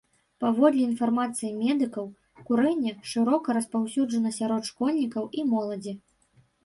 Паводле інфармацыі медыкаў, курэнне шырока распаўсюджана сярод школьнікаў і моладзі.